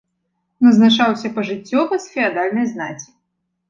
Назначаўся пажыццёва з феадальнай знаці.